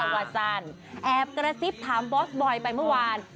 วาซันแอบกระซิบถามบอสบอยไปเมื่อวาน